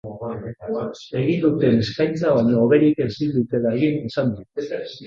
Egin duten eskaintza baino hoberik ezin dutela egin esan du.